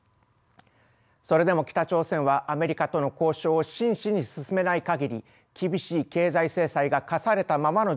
それでも北朝鮮はアメリカとの交渉を真摯に進めない限り厳しい経済制裁が課されたままの状態が続きます。